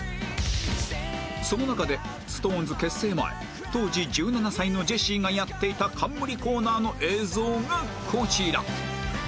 その中で ＳｉｘＴＯＮＥＳ 結成前当時１７歳のジェシーがやっていた冠コーナーの映像がこちら！